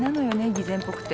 偽善ぽくて。